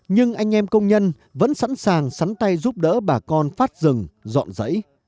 nhưng anh em công nhân vẫn sẵn sàng sắn tay giúp đỡ bà con phát rừng dọn dãy